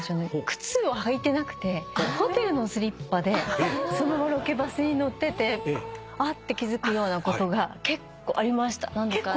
靴を履いてなくてホテルのスリッパでそのままロケバスに乗ってて「あっ」て気付くようなことが結構ありました何度か。